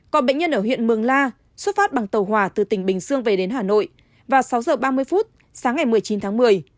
còn bệnh nhân ở huyện mường la xuất phát bằng tàu hỏa từ tỉnh bình dương về đến hà nội vào sáu giờ ba mươi phút sáng ngày một mươi chín tháng một mươi